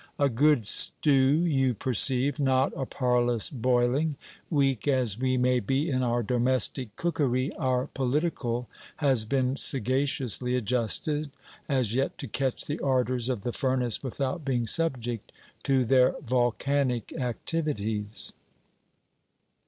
A good stew, you perceive; not a parlous boiling. Weak as we may be in our domestic cookery, our political has been sagaciously adjusted as yet to catch the ardours of the furnace without being subject to their volcanic activities.